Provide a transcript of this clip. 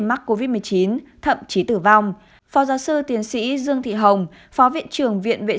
mắc covid một mươi chín thậm chí tử vong phó giáo sư tiến sĩ dương thị hồng phó viện trưởng viện vệ